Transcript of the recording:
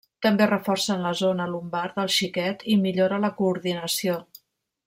També reforcen la zona lumbar del xiquet i millora la coordinació.